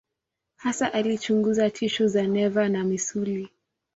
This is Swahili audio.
Hasa alichunguza tishu za neva na misuli.